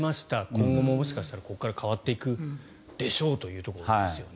今後ももしかしたらこれから変わっていくということですよね。